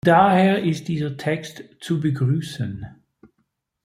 Daher ist dieser Text zu begrüßen.